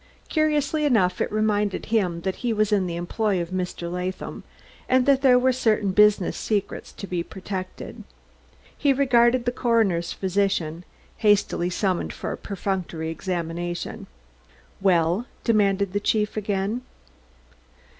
Curiously enough it reminded him that he was in the employ of Mr. Latham, and that there were certain business secrets to be protected. He regarded the coroner's physician, hastily summoned for a perfunctory examination. "Well?" demanded the chief again.